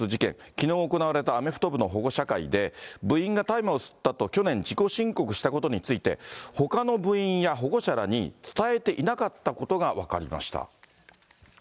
きのう行われたアメフト部の保護者会で、部員が大麻を吸ったと去年、自己申告したことについて、ほかの部員や保護者らに伝えていなかったことが分かりました。